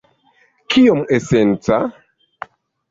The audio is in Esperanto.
Kiom esenca?